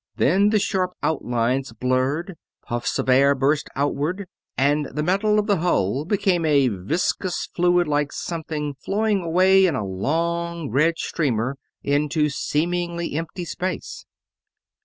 Then the sharp outlines blurred, puffs of air burst outward, and the metal of the hull became a viscous, fluid like something, flowing away in a long, red streamer into seemingly empty space.